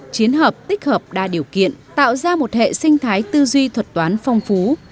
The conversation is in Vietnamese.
chiến hợp tích hợp đa điều kiện tạo ra một hệ sinh thái tư duy thuật toán phong phú